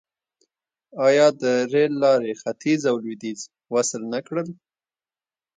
آیا د ریل لارې ختیځ او لویدیځ وصل نه کړل؟